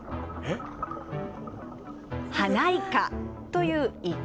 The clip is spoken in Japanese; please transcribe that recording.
ハナイカというイカ。